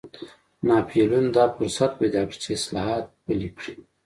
ناپلیون دا فرصت پیدا کړ چې اصلاحات پلي کړي.